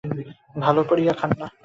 ভাল করিয়া খান না।